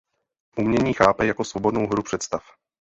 Umění chápe jako svobodnou hru představ.